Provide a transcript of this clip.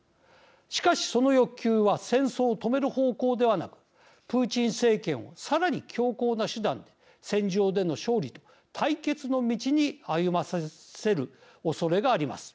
しかし、その欲求は戦争を止める方向ではなくプーチン政権をさらに強硬な手段で戦場での勝利と対決の道に歩ませるおそれがあります。